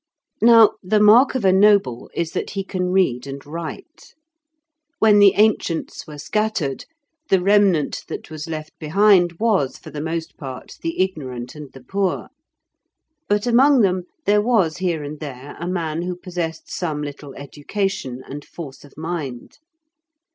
Now the mark of a noble is that he can read and write. When the ancients were scattered, the remnant that was left behind was, for the most part, the ignorant and the poor. But among them there was here and there a man who possessed some little education and force of mind.